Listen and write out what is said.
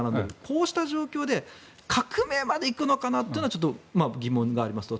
こうした状況で革命まで行くのかなというのはちょっと疑問がありますと。